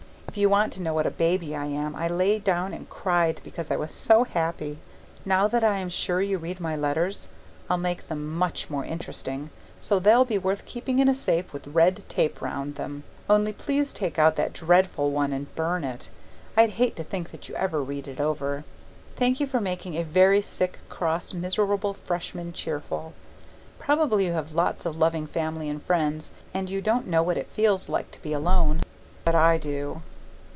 If you want to know what a baby I am I lay down and cried because I was so happy. Now that I am sure you read my letters, I'll make them much more interesting, so they'll be worth keeping in a safe with red tape around them only please take out that dreadful one and burn it up. I'd hate to think that you ever read it over. Thank you for making a very sick, cross, miserable Freshman cheerful. Probably you have lots of loving family and friends, and you don't know what it feels like to be alone. But I do.